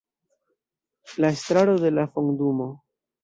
La Estraro de la Fondumo.